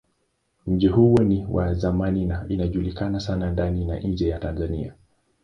Mji huo ni wa zamani na ilijulikana sana ndani na nje ya Tanzania.